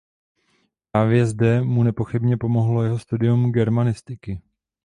Právě zde mu nepochybně pomohlo jeho studium germanistiky.